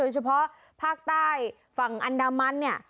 เฉพาะภาคใต้ฝั่งอันดามันเนี่ย